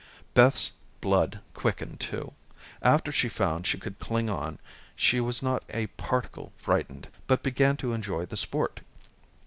Beth's blood quickened too. After she found she could cling on, she was not a particle frightened but began to enjoy the sport.